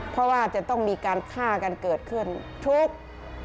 เพราะว่าจะต้องมีการฆ่ากันเกิดขึ้นทุก